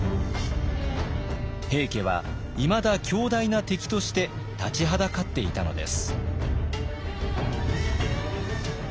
平家はいまだ強大な敵として立ちはだかっていたのです。